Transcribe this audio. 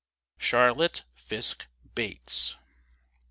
CHARLOTTE FISKE BATES.